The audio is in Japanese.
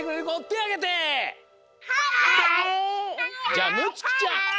じゃあむつきちゃん。